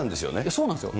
そうなんですよ。